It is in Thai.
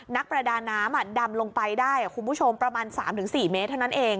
นักประดาน้ำดำลงไปได้คุณผู้ชมประมาณ๓๔เมตรเท่านั้นเอง